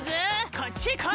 こっちへこい！